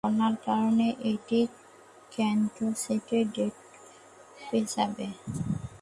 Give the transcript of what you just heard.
বন্যার কারণে কি কন্টেস্টের ডেট পেছাবে?